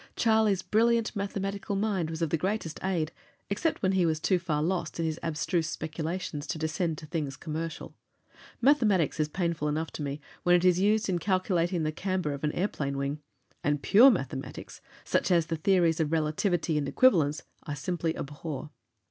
Charlie's brilliant mathematical mind was of the greatest aid, except when he was too far lost in his abstruse speculations to descend to things commercial. Mathematics is painful enough to me when it is used in calculating the camber of an airplane wing. And pure mathematics, such as the theories of relativity and equivalence, I simply abhor.